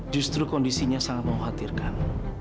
justru kondisinya sangat mengkhawatirkan